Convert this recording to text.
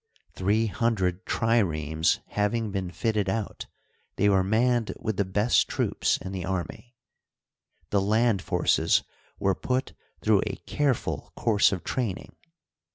Three hundred triremes having been fitted out, they were manned with the best troops in the army. The land forces were put through a careful course of training.